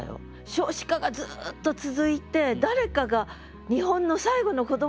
少子化がずっと続いて誰かが日本の最後のこどもになる日が来る。